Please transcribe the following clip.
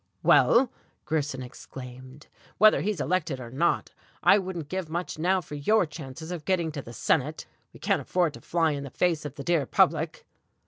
"Well," Grierson exclaimed, "whether he's elected or not, I wouldn't give much now for your chances of getting to the Senate. We can't afford to fly in the face of the dear public."